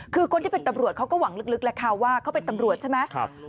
คือคนที่เป็นตำรวจเขาก็หวังลึกแหละค่ะว่าเขาเป็นตำรวจใช่ไหม